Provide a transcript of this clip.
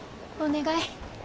お願い。